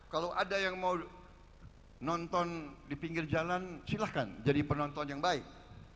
kalau ada yang mau nonton di pinggir jalan silahkan jadi penonton yang baik